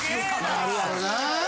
あるやろな。